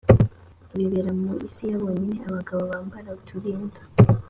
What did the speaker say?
bibera mu isi ya bonyine abagabo bambara utubindo